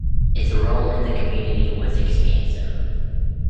Its role in the community was expansive.